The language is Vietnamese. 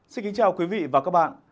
xin kính chào quý vị và các bạn